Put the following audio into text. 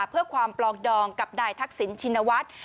เพื่อความปลองดองกับนายทักษิณชินวัฒน์